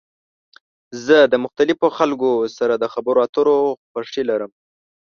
زه د مختلفو خلکو سره د خبرو اترو خوښی لرم.